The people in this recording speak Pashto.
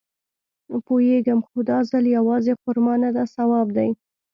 پوېېږم خو دا ځل يوازې خرما نده ثواب دی.